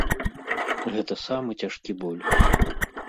Гэта самы цяжкі боль.